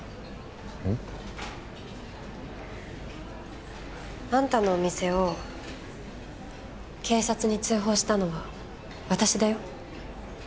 うん？あんたのお店を警察に通報したのは私だよ。